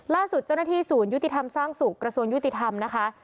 ล่าสุดเจ้าหน้าที่ศูนยุติธรรมสร้างสุขกระทรวงยุติธรรมนะคะ